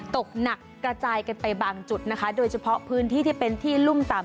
ตกหนักกระจายกันไปบางจุดนะคะโดยเฉพาะพื้นที่ที่เป็นที่รุ่มต่ำ